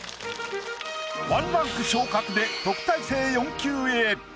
１ランク昇格で特待生４級へ。